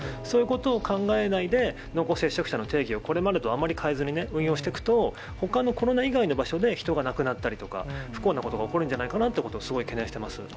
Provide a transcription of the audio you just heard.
そういうことを考えないで、濃厚接触者の定義を、これまでとあまり変えずに運用していくと、ほかのコロナ以外の場所で人が亡くなったりとか、不幸なことが起こるんじゃないかなということをすごい懸念してます。